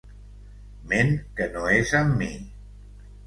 Ment que no és amb mi.